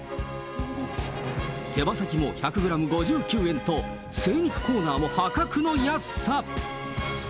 手羽先も１００グラム５９円と、精肉コーナーも破格の安さ。